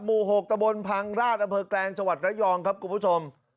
บูหกตะบนพังราชอแกรงจระยองครับกลุ่มผู้ชม